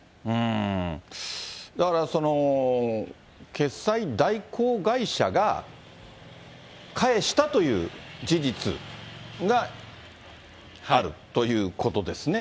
だから、決済代行会社が返したという事実があるということですね。